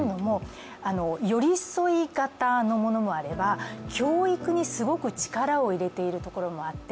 寄り添い型のものもあれば、教育にすごく力を入れているところもあって、